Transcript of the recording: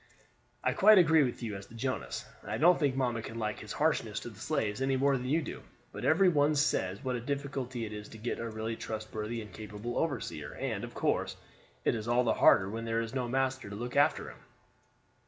I quite agree with you as to Jonas, and I don't think mamma can like his harshness to the slaves any more than you do; but every one says what a difficulty it is to get a really trustworthy and capable overseer, and, of course, it is all the harder when there is no master to look after him."